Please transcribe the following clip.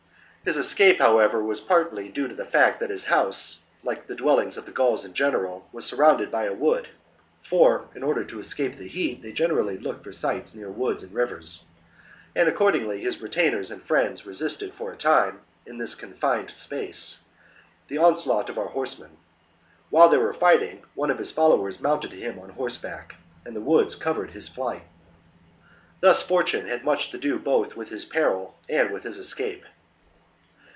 His escape, however, was partly due to the fact that his house, like the dwellings of the Gauls in general, was surrounded by a wood (for, in order to escape the heat, they generally look for sites near woods and rivers) ; and accord ingly his retainers and friends resisted for a time, in this confined space, the onslaught of our horsemen. While they were fighting, one of his followers mounted him on horseback ; and the woods covered his flight. Thus Fortune had much to do both with his peril and with his escape.